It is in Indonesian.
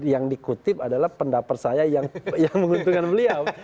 yang dikutip adalah pendapat saya yang menguntungkan beliau